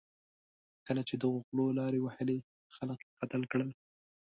کله چې دغو غلو لارې ووهلې، خلک یې قتل کړل.